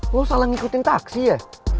lo salah ngikutin taksi ya